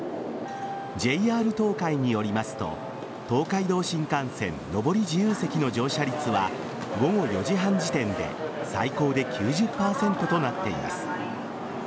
ＪＲ東海によりますと東海道新幹線上り自由席の乗車率は午後４時半時点で最高で９０％となっています。